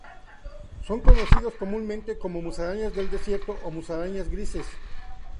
Son conocidos comúnmente como musarañas del desierto o musarañas grises.